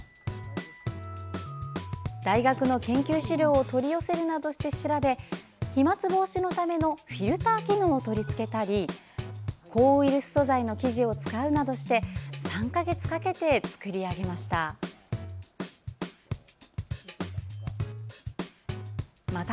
大学の研究資料を取り寄せるなどして調べ飛まつ防止のためのフィルター機能を取り付けたり抗ウイルス素材の生地を使うなどして３か月かけて作り上げました。